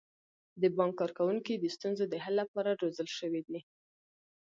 د بانک کارکوونکي د ستونزو د حل لپاره روزل شوي.